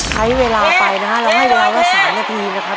ใช้เวลาไปนะฮะเราให้เวลาละ๓นาทีนะครับ